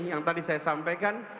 yang tadi saya sampaikan